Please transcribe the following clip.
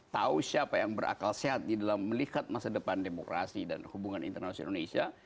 tahu siapa yang berakal sehat di dalam melihat masa depan demokrasi dan hubungan internasional indonesia